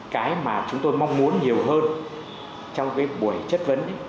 cái mà chúng tôi mong muốn nhiều hơn trong cái buổi chất vấn